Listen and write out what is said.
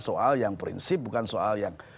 soal yang prinsip bukan soal yang